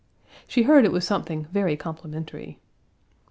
She heard it was something very complimentary.